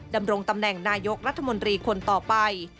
ดำรงตำแหน่งนายกรัฐมนตรีคนต่อไป